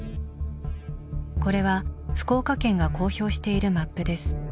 これは福岡県が公表しているマップです。